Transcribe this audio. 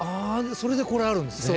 それでこれあるんですね。